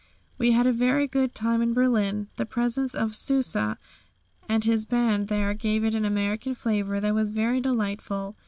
We had a very good time in Berlin. The presence of Sousa and his band there gave it an American flavour that was very delightful.